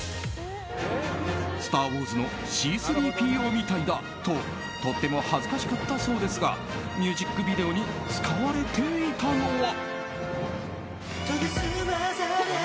「スター・ウォーズ」のＣ‐３ＰＯみたいだととっても恥ずかしかったそうですがミュージックビデオに使われていたのは。